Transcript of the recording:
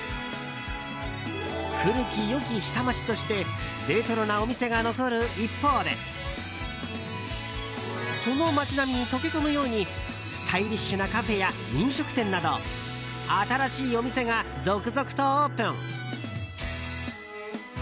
古き良き下町としてレトロなお店が残る一方でその街並みに溶け込むようにスタイリッシュなカフェや飲食店など新しいお店が続々とオープン。